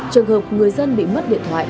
trường hợp người dân bị mất điện thoại